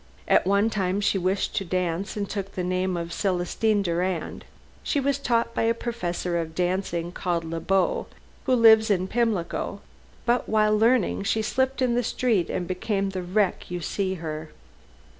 At one time she wished to dance and took the name of Celestine Durand. She was taught by a professor of dancing called Le Beau, who lives in Pimlico, but while learning she slipped in the street and became the wreck you see her."